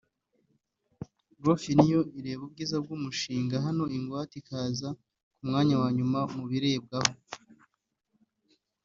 GroFin yo ireba ubwiza bw’umushinga naho ingwate ikaza ku mwanya wa nyuma mubirebwaho